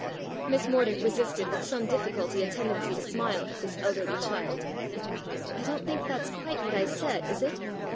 Miss Mordaunt resisted with some difficulty a tendency to smile at this elderly child. " I don't think that's quite what I said, is it?